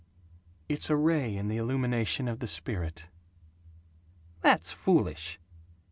"It's a ray in the illumination of the spirit." "That's foolish."